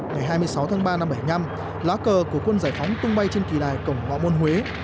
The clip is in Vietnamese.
ngày hai mươi sáu tháng ba năm một nghìn chín trăm bảy mươi năm lá cờ của quân giải phóng tung bay trên kỳ đài cổng bọ môn huế